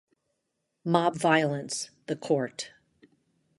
Mob violence, the court.